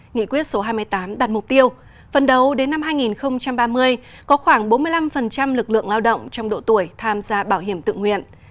nghị quyết số hai mươi tám đặt mục tiêu phần đầu đến năm hai nghìn ba mươi có khoảng bốn mươi năm lực lượng lao động trong độ tuổi tham gia bảo hiểm tự nguyện